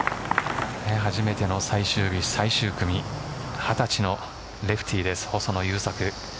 初めての最終日最終組２０歳のレフティーです細野勇策。